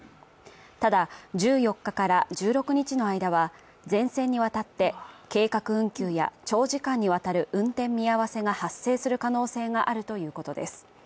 ただ、１４日から１６日の間は全線にわたって計画運休や長時間にわたる運転見合わせが発生する可能性があるということです。